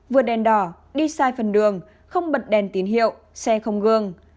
vượt đèn đỏ đi sai phần đường không bật đèn tín hiệu xe không gương